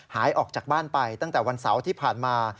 หายออกจากบ้านไปตั้งแต่วันเสาร์ที่ผ่านมา